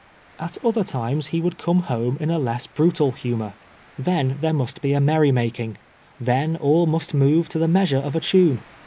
At other times he would come home in a less brutal EPPS IN A DANCING MOOD. 18l humor. Then there must be a merry making. Then all must move to the measure of a tunc.